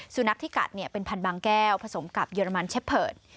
สุนัขที่กัดเป็นพันบางแก้วผสมกับเยอรมันเชฟเผิร์ด